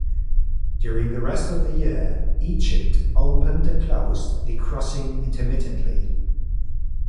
During the rest of the year Egypt opened and closed the crossing intermittently.